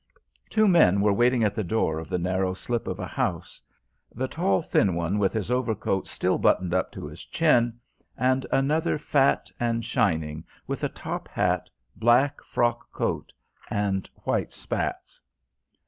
Two men were waiting at the door of the narrow slip of a house: the tall, thin one with his overcoat still buttoned up to his chin, and another fat and shining, with a top hat, black frock coat, and white spats.